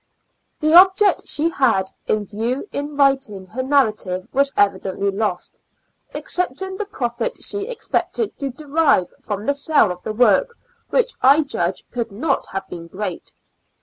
The object she had in view in writing her narrative was evidently lost, excepting the profit she expected to derive from the sale of the work, which I judge could not have been great.